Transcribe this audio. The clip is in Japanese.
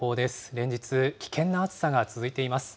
連日、危険な暑さが続いています。